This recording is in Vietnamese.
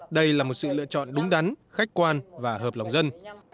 đây là một sự lựa chọn đúng đắn khách quan và hợp lòng dân